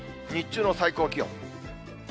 日中の最高気温。